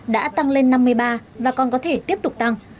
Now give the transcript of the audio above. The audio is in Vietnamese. đã tăng lên năm mươi ba và còn có thể tiếp tục tăng